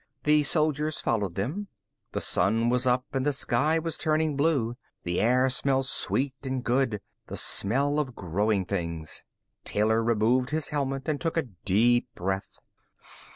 The soldiers followed them. The Sun was up and the sky was turning blue. The air smelled sweet and good, the smell of growing things. Taylor removed his helmet and took a deep breath.